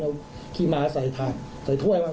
เอาขี้หมาใส่ถ้วยมา